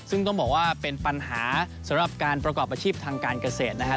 ซึ่งต้องบอกว่าเป็นปัญหาสำหรับการประกอบอาชีพทางการเกษตรนะครับ